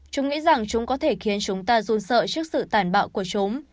chúng nghĩ rằng chúng có thể khiến chúng ta run sợ trước sự tản bạo của chúng